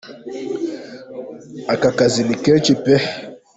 Aka kazi ni kenshi pe!